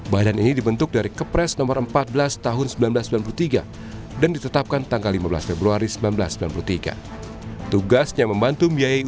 badan ini dibentuk dari kepres nomor empat belas tahun seribu sembilan ratus sembilan puluh tiga dan ditetapkan tanggal lima belas februari seribu sembilan ratus sembilan puluh tiga